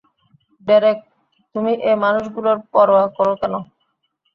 Derek, তুমি এ মানুষগুলোর পরোয়া করো কেন?